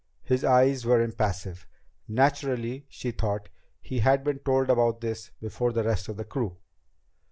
His eyes were impassive. Naturally, she thought, he had been told about this before the rest of the crew.